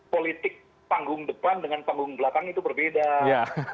politik panggung depan dengan panggung belakang itu berbeda